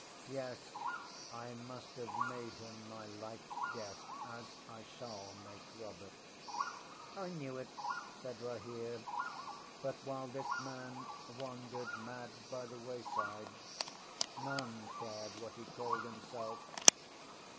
Yes. I must have made him my lifeŌĆÖs guest as I shall make Robert.ŌĆØ ŌĆśŌĆ£I knew it, ŌĆØ said Rahere. ŌĆ£But while this man wandered mad by the wayside, none cared what he called himself.